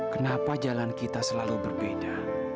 kenapa jalan kita selalu berbeda